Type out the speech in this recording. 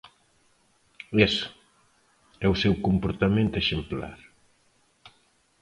Iso, e o seu comportamento exemplar.